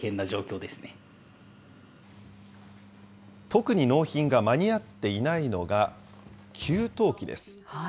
特に納品が間に合っていないのが、給湯器です。